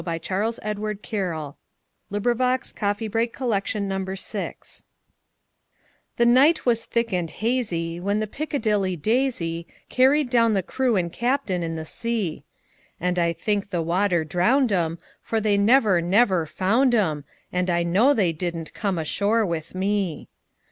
By Charles EdwardCarryl 816 Robinson Crusoe THE NIGHT was thick and hazyWhen the Piccadilly DaisyCarried down the crew and captain in the sea; And I think the water drowned 'em, For they never, never found 'em, And I know they did n't come ashore with me.